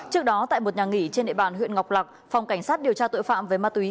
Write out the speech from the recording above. trước đó tại một nhà nghỉ trên địa bàn huyện ngọc lạc phòng cảnh sát điều tra tội phạm về ma túy